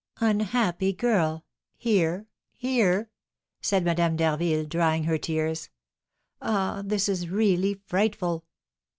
"Unhappy girl! Here here!" said Madame d'Harville, drying her tears. "Ah, this is really frightful!"